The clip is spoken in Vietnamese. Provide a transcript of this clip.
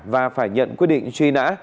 và phải nhận quyết định truy nã